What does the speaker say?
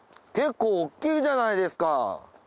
結構大きいじゃないですか。